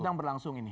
sudah berlangsung ini